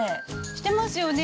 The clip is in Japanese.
してますよね。